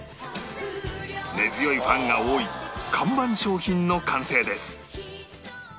根強いファンが多い看板商品の完成です